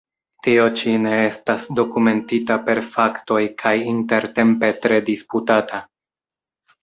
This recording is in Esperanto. Tio ĉi ne estas dokumentita per faktoj kaj intertempe tre disputata.